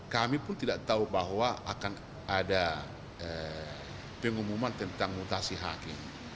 kami pun tidak tahu bahwa akan ada pengumuman tentang mutasi hakim